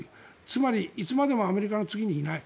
つまり、いつまでもアメリカの次にいない。